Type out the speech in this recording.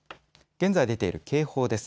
現在出ている警報です。